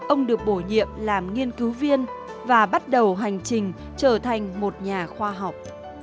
ông được bổ nhiệm làm nghiên cứu viên và bắt đầu hành trình trở thành một nhà khoa học